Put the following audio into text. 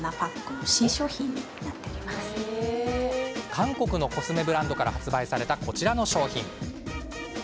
韓国のコスメブランドから発売された、こちらの商品。